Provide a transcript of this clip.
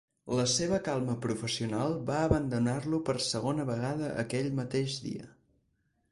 La seva calma professional va abandonar-lo per segona vegada aquell mateix dia.